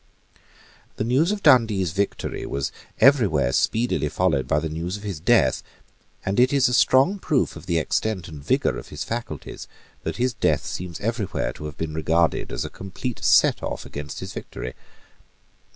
The news of Dundee's victory was every where speedily followed by the news of his death; and it is a strong proof of the extent and vigour of his faculties, that his death seems every where to have been regarded as a complete set off against his victory.